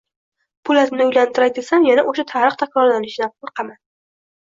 Po`latni uylantiray desam, yana o`sha tarix takrorlanishidan qo`rqaman